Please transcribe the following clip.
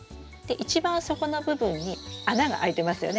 一番底の部分に穴があいてますよね。